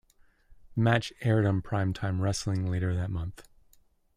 The match aired on "Prime Time Wrestling" later that month.